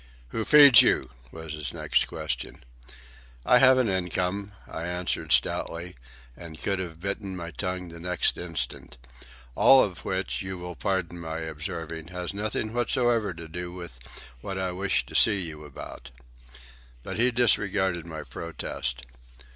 "Who feeds you?" was his next question. "I have an income," I answered stoutly, and could have bitten my tongue the next instant. "All of which, you will pardon my observing, has nothing whatsoever to do with what I wish to see you about." But he disregarded my protest.